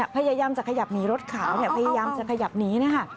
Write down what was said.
พยายามจะขยับหนีรถขาวพยายามจะขยับหนีนะคะ